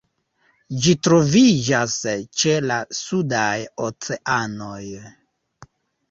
Ĝi troviĝas ĉe la sudaj oceanoj.